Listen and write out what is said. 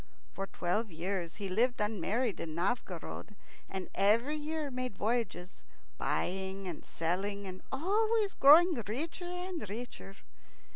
For twelve years he lived unmarried in Novgorod, and every year made voyages, buying and selling, and always growing richer and richer.